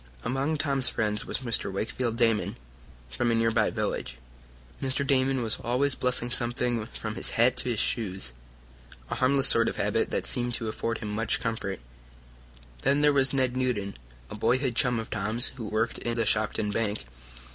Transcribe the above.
Among Tom's friends was a Mr. Wakefield Damon, from a nearby village. Mr. Damon was always blessing something, from his hat to his shoes, a harmless sort of habit that seemed to afford him much comfort. Then there was Ned Newton, a boyhood chum of Tom's, who worked in the Shopton bank.